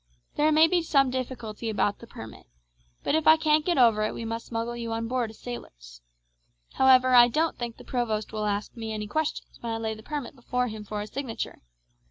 There may be some difficulty about the permit; but if I can't get over it we must smuggle you on board as sailors. However, I don't think the provost will ask me any questions when I lay the permit before him for his signature.